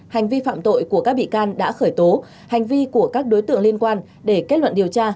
hành vi phạm tội của các bị can đã khởi tố hành vi của các đối tượng liên quan để kết luận điều tra